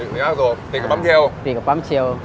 ศรีแยกกระโสกติดกับปั๊มเชียวติดกับปั๊มเชียว